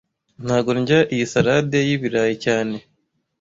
Ntago ndya iyi salade y ibirayi cyane